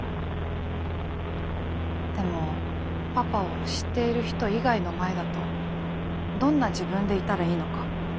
でもパパを知っている人以外の前だとどんな自分でいたらいいのか。